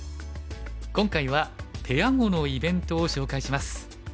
今回はペア碁のイベントを紹介します。